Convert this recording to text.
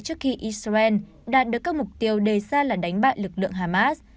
trước khi israel đạt được các mục tiêu đề ra là đánh bại lực lượng hamas